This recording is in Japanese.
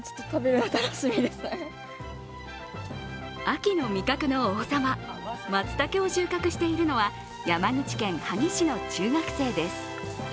秋の味覚の王様・まつたけを収穫しているのは山口県萩市の中学生です。